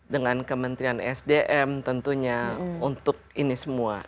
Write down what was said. dengan kementerian sdm tentunya untuk ini semua